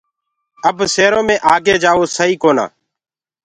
اب سيرو مي آگي جآوو سئي ڪونآ۔